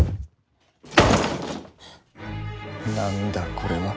何だこれは。